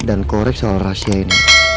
dan korek soal rahasia ini